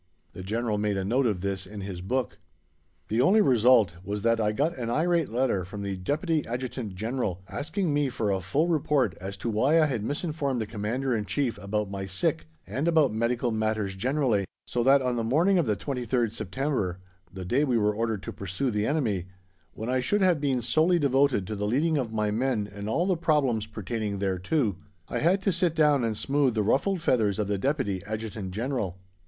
The General made a note of this in his book. The only result was that I got an irate letter from the Deputy Adjutant General asking me for a full report as to why I had misinformed the Commander in Chief about my sick, and about medical matters generally, so that on the morning of the 23rd September, the day we were ordered to pursue the enemy, when I should have been solely devoted to the leading of my men and all the problems pertaining thereto, I had to sit down and smooth the ruffled feathers of the Deputy Adjutant General.